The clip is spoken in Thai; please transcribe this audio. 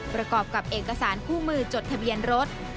ประกอบกับเอกสารคู่มือจดทะเบียนรถ